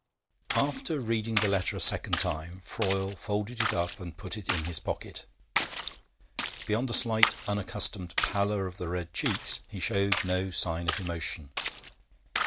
After reading the letter a second time, Froyle folded it up and put it in his pocket. Beyond a slight unaccustomed pallor of the red cheeks, he showed no sign of emotion.